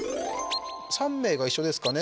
３名が一緒ですかね。